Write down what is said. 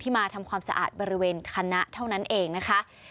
มาทำความสะอาดบริเวณคณะเท่านั้นเองนะคะ